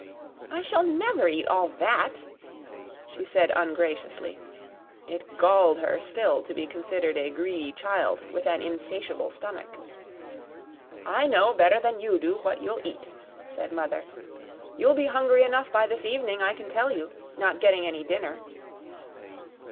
"I shall never eat all that," she said ungraciously; it galled her still to be considered a greedy child with an insatiable stomach. "I know better than you do what you'll eat," said Mother. "You'll be hungry enough by this evening I can tell you, not getting any dinner."